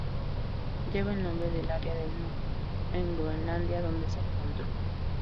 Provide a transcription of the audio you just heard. Lleva el nombre del área de Nuuk en Groenlandia, donde se encontró.